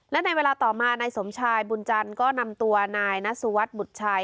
และในเวลาต่อมานายสมชายบุญจันทร์ก็นำตัวนายนัสสุวัสดิบุตรชาย